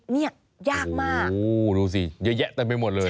นี่ยากมากโอ้โฮรู้สิเยอะแยะไปหมดเลย